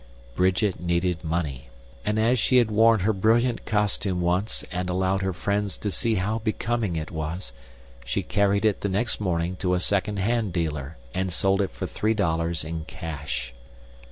Bridget needed money; and as she had worn her brilliant costume once and allowed her friends to see how becoming it was, she carried it the next morning to a second hand dealer and sold it for three dollars in cash.